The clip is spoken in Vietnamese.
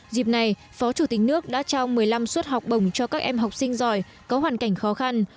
dịp này phó chủ tịch nước đã trao một mươi năm suất học bổng cho các em học sinh giỏi có hoàn cảnh khó khăn